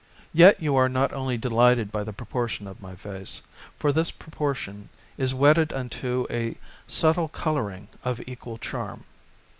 Yet you are not only delighted by the proportion of my vase, for this proportion is wedded unto a subtle colouring of equal charm.